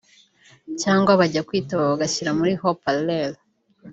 cyangwa bajya kwitaba bagashyira muri Haut Parleur